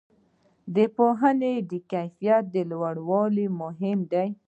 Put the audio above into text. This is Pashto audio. د پوهنې کیفیت لوړول مهم دي؟